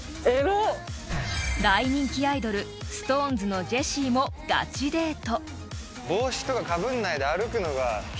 ［大人気アイドルＳｉｘＴＯＮＥＳのジェシーもガチデート］